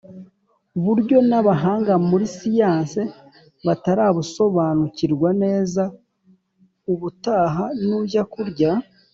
Buryo n abahanga muri siyansi batarabusobanukirwa neza ubutaha nujya kurya